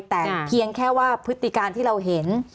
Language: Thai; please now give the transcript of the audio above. แต่เพียงแค่ว่าพฤติการที่เราเห็น